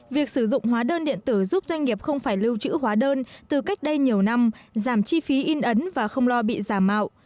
việc sử dụng hóa đơn điện tử giúp doanh nghiệp không phải lưu trữ hóa đơn từ cách đây nhiều năm giảm chi phí in ấn và không lo bị giả mạo